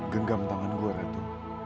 genggam tangan gue ratu